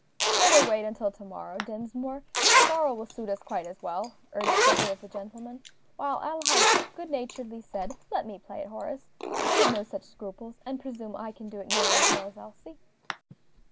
"Let her wait until to morrow, Dinsmore; tomorrow will suit us quite as well," urged several of the gentlemen, while Adelaide good naturedly said, "Let me play it, Horace; I have no such scruples, and presume I can do it nearly as well as Elsie."